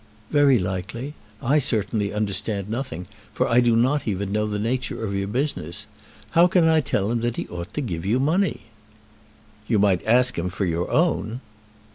"Very likely. I certainly understand nothing, for I do not even know the nature of your business. How can I tell him that he ought to give you money?" "You might ask him for your own."